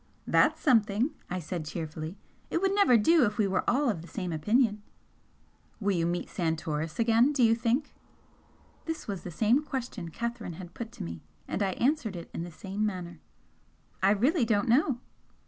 "That's something!" I said, cheerfully "It would never do if we were all of the same opinion!" "Will you meet Santoris again, do you think?" This was the same question Catherine had put to me, and I answered it in the same manner. "I really don't know!"